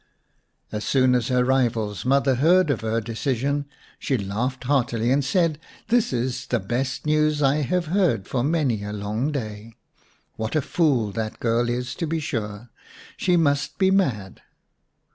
As soon as her rival's mother heard of her decision, she laughed heartily and said, " This is the best news I have heard for many a long day. What a fool that girl is, to be sure ! She must be mad."